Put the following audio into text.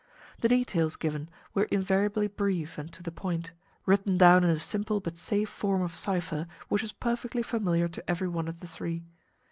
The details given were invariably brief and to the point, written down in a simple but safe form of cipher which was perfectly familiar to every one of the three.